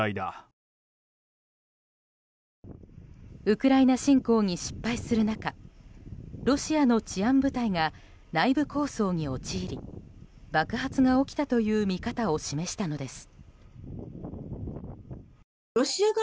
ウクライナ侵攻に失敗する中ロシアの治安部隊が内部抗争に陥り爆発が起きたという見方を示したのです。